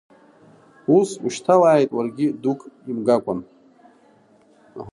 Ус ушьҭалааит уаргьы дук имгакәан.